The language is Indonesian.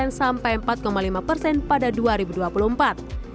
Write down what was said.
dan juga terpenting transformasi sumber daya manusia di sektor perdagangan